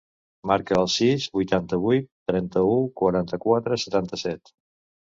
Marca el sis, vuitanta-vuit, trenta-u, quaranta-quatre, setanta-set.